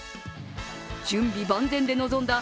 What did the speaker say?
準備万全で臨んだ